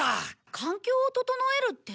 環境を整えるって？